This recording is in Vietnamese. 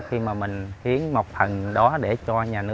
khi mà mình hiến một phần đó để chức dân